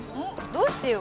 どうしてよ？